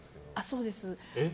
そうです。